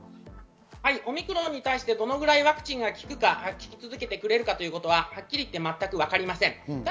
オミクロンに対してどのくらいワクチンが効き続けてくれるかは、はっきり言って全くわかりません。